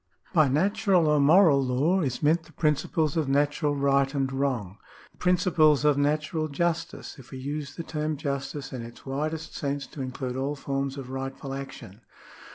By natural or moral law is meant the principles of natural right and wrong — the principles of natural justice, if we use the term justice in its widest sense to include all forms of rightful action.